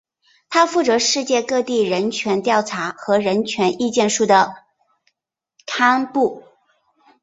它负责世界各地人权调查和人权意见书的刊布。